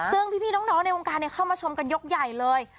ซึ่งพี่น้องในวงการเข้ามาชมกันยกใหญ่เลย